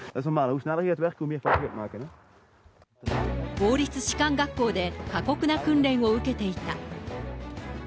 王立士官学校で過酷な訓練を受けていた。